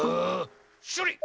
それ！